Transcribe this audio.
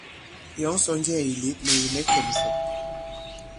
Yɔ̌ŋ sɔ nnjɛɛ̄ ì lět, mɛ̀ kì mɛ̌ kɛ̀msɛ̀.